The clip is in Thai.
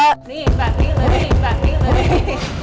นี่แบบนี้เลยนี่แบบนี้เลยพี่